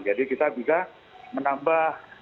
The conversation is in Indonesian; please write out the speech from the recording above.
jadi kita juga menambah